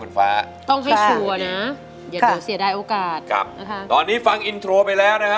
ลุกลีลุกลน